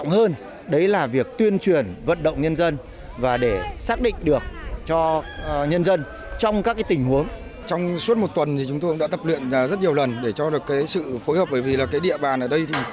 học viên đã tập luyện rất nhiều lần để cho được sự phối hợp bởi vì địa bàn ở đây